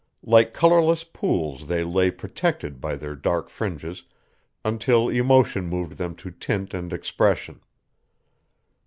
Like colorless pools they lay protected by their dark fringes, until emotion moved them to tint and expression.